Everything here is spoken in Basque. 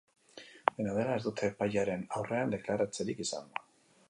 Dena dela, ez dute epailearen aurrean deklaratzerik izan.